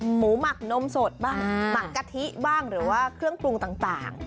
หมูหมักนมสดบ้างหมักกะทิบ้างหรือว่าเครื่องปรุงต่าง